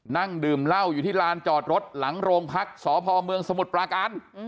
นั่งดื่มเหล้าอยู่ที่ลานจอดรถหลังโรงพักษพเมืองสมุทรปราการ